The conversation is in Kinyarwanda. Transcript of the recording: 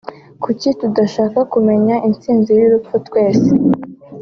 kuki tudashaka kumenya intsinzi y’urupfu twese